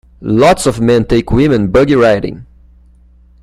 Lots of men take women buggy riding.